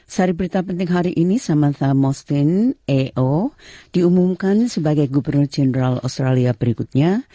sari berita penting hari ini samantha mostyn eo diumumkan sebagai gubernur general australia berikutnya